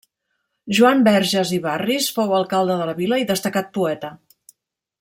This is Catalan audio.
Joan Verges i Barris fou alcalde de la vila i destacat poeta.